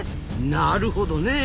なるほどねえ。